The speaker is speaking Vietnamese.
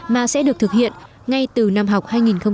mà sẽ được thực hiện ngay từ năm học hai nghìn một mươi tám